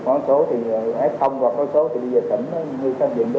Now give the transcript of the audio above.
có một số thì f có một số thì đi về tỉnh